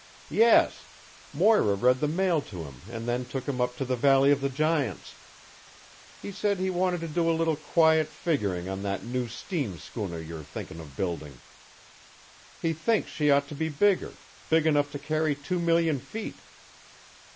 "Yes. Moira read the mail to him and then took him up to the Valley of the Giants. He said he wanted to do a little quiet figuring on that new steam schooner you're thinking of building. He thinks she ought to be bigger big enough to carry two million feet."